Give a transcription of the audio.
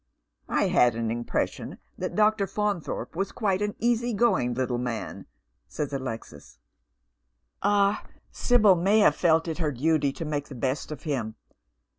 " I had an impression that Dr. Faunthorpe was quite an easy going little man," says Alexis. " Ah, Sibyl may have felt it her duty to make the best of him.